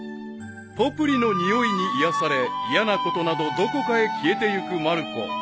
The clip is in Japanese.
［ポプリの匂いに癒やされ嫌なことなどどこかへ消えてゆくまる子］